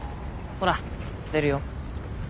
ほら出るよ。